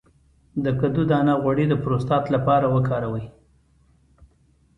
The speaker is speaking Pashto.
د کدو دانه غوړي د پروستات لپاره وکاروئ